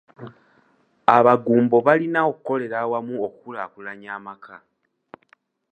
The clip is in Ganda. Abagumbo balina okukolera awamu okukulaakulanya amaka.